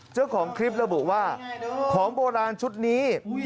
เจ้าของคลิประบุว่าของโบราณชุดนี้